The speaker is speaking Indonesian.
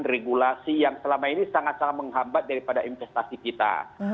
regulasi yang selama ini sangat sangat menghambat daripada investasi kita